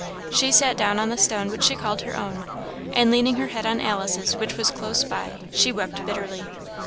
She sat down on the stone she called her own, and leaning her head on Alice's, which was close by, she wept bitterly.